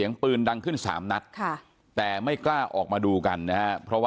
อายุ๑๐ปีนะฮะเขาบอกว่าเขาก็เห็นถูกยิงนะครับ